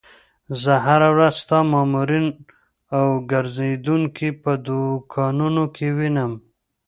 زه هره ورځ ستا مامورین او ګرځېدونکي په دوکانونو کې وینم.